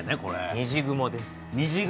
「にじ雲」です。